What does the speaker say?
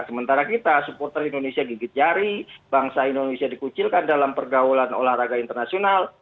sementara kita supporter indonesia gigit jari bangsa indonesia dikucilkan dalam pergaulan olahraga internasional